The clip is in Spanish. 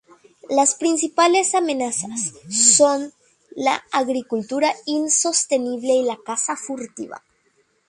Las principales amenazas son la agricultura insostenible y la caza furtiva.